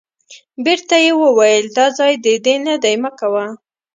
بیرته یې وویل دا ځای د دې نه دی مه کوه.